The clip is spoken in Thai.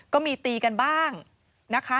ก็มีตีกันบ้างนะคะ